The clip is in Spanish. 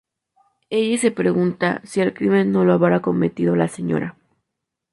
Elle se pregunta si el crimen no lo habrá cometido la Sra.